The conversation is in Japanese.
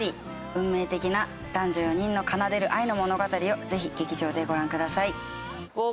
運命的な男女４人の奏でる愛の物語をぜひ劇場でご覧ください。